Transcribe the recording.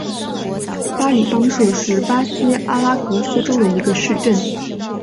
马里邦杜是巴西阿拉戈斯州的一个市镇。